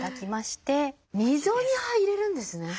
溝に入れるんですね。